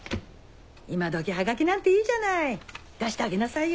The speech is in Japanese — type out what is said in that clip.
今どきハガキなんていいじゃない出してあげなさいよ。